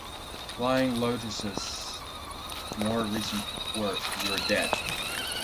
Flying Lotus's more recent work, You're Dead!